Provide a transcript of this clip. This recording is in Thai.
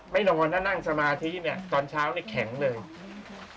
ไม่นอนถ้านั่งสมาธิเนี่ยตอนเช้าเนี่ยแข็งเลย